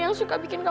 jadi dengerin nih